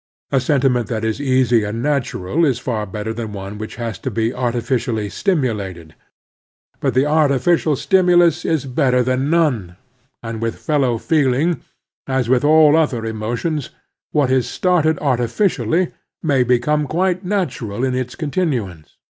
A sentiment that is easy and natural is far better than one which has to be artificially stimulated . But the artificial stimulus is better than norieraSd with fellow feeling, as with all other emoticSs, what is started artificially may become quite" natural in its continuance.